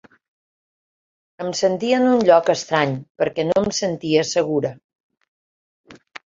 Em sentia en un lloc estrany, perquè no em sentia segura.